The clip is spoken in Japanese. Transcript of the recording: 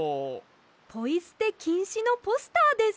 ポイすてきんしのポスターです。